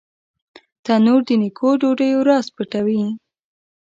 تنور د نیکو ډوډیو راز پټوي